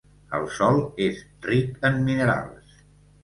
El sòl és ric en minerals.